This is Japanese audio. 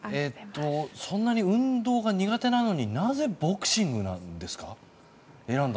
そんなに運動が苦手なのに、なぜボクシングを選んだんですか？